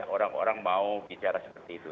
orang orang mau bicara seperti itu